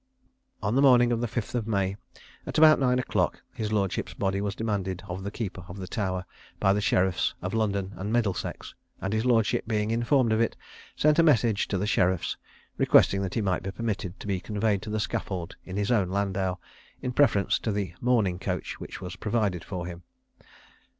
On the morning of the 5th May, at about nine o'clock, his lordship's body was demanded of the keeper of the Tower, by the sheriffs of London and Middlesex, and his lordship being informed of it, sent a message to the sheriffs requesting that he might be permitted to be conveyed to the scaffold in his own landau, in preference to the mourning coach which was provided for him.